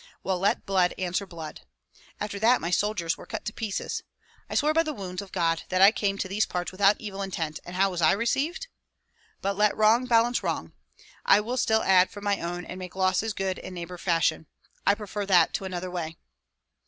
Well, let blood answer blood! After that my soldiers were cut to pieces. I swear by the wounds of God that I came to these parts without evil intent, and how was I received? But let wrong balance wrong, I will still add from my own and make losses good in neighbor fashion. I prefer that to another way."